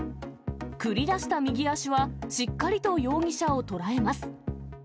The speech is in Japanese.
繰り出した右足は、しっかりと容疑者を捉えます。